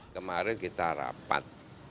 kemarin kita rapat